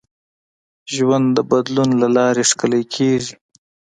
ژوند د بدلون له لارې ښکلی کېږي.